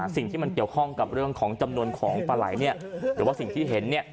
สิ่งที่มันเกี่ยวข้องกับเรื่องของจำนวนของปลาไหล่เนี่ยหรือว่าสิ่งที่เห็นเนี่ย